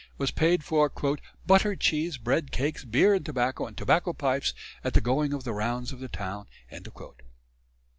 was paid for "Butter, cheese, Bread, Cakes, Beere and Tobacco and Tobacco Pipes at the goeing of the Rounds of the Towne."